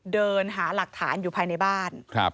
เดินหาหลักฐานอยู่ภายในบ้าน